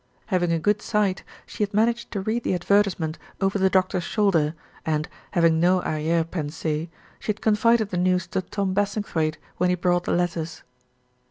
Having a good sight, she had managed to read the advertisement over the doctor's shoulder and, having no arriere pensee, she had confided the news to Tom Bassingthwaighte when he brought the letters.